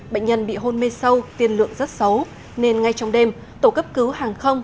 bệnh nhân bị hôn mê sâu tiên lượng rất xấu nên ngay trong đêm tổ cấp cứu hàng không